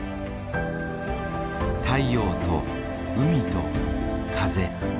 太陽と海と風。